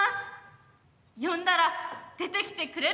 呼んだら出てきてくれるかな？